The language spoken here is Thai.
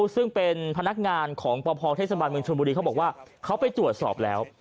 ซึ่งเป็นพนักงานของปภเทศบาลเมืองชนบุรีเขาบอกว่าเขาไปตรวจสอบแล้ว